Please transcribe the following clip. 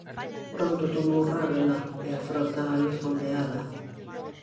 Pronto tomou Rávena e a frota alí fondeada.